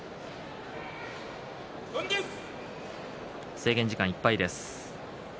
制限時間いっぱいです。